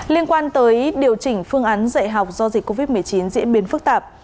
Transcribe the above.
liên quan tới điều chỉnh phương án dạy học do dịch covid một mươi chín diễn biến phức tạp